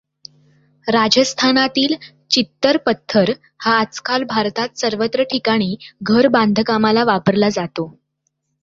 राजस्थानातील चित्तर पत्थर हा आजकाल भारतात सर्वत्र ठिकाणी घर बांधकामाला वापरला जातो.